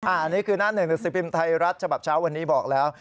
อันนี้คือหน้าหนึ่งหนังสือพิมพ์ไทยรัฐฉบับเช้าวันนี้บอกแล้ว